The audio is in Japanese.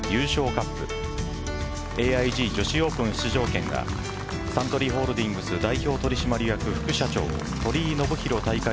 カップＡＩＧ女子オープン出場権がサントリーホールディングス代表取締役副社長鳥井信宏大会